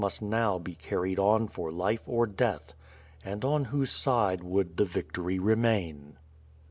t now be carried on for life or death. And on whose side would the victory remain?